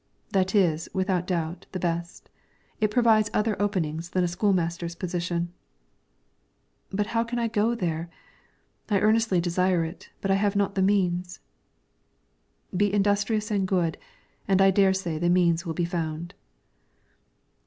"That is, without doubt, the best; it provides other openings than a school master's position." "But how can I go there? I earnestly desire it, but I have not the means." "Be industrious and good, and I dare say the means will be found."